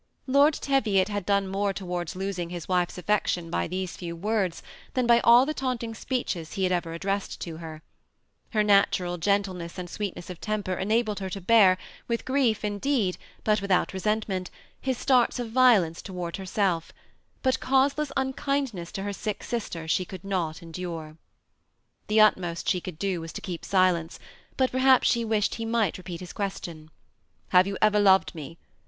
Lord Teviot had done more towards losing his wife's affection by these few words, than by all the taunting speeches he had ever addressed to her* Her natural gentleness and sweetness of temper enabled her to bear, with grief indeed, but without resentment, his starts of violence towards herself; but causeless un kindness to her sick sister she could not endure. The utmost she could do was to keep silence, but perhaps she wished he might repeat his question, " Have you ever loved me